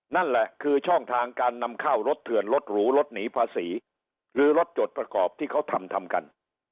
นั่นแหละคือช่องทางการนำเข้ารถเถื่อนรถหรูรถหนีภาษีหรือรถจดประกอบที่เขาทำทำกัน